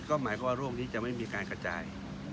ก็หมายความว่าโรคนี้จะไม่มีการกระจาย